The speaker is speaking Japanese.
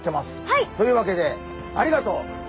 はい！というわけでありがとう。